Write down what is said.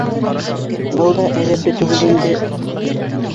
—Был да әҙәпле түгел инде!